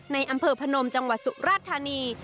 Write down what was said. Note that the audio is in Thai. ในอำเภอพนมจังหวัดสุราธานี